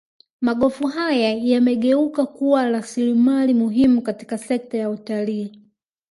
Magofu haya yamegeuka kuwa rasilimali muhimu katika sekta ya utalii